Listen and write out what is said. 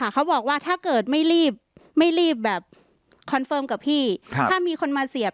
เขาบอกว่าถ้าเกิดไม่รีบแบบคอนเฟิร์มกับพี่ถ้ามีคนมาเสียบ